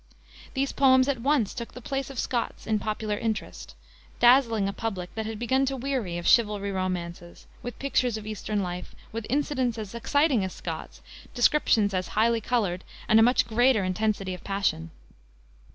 These poems at once took the place of Scott's in popular interest, dazzling a public that had begun to weary of chivalry romances, with pictures of Eastern life, with incidents as exciting as Scott's, descriptions as highly colored, and a much greater intensity of passion.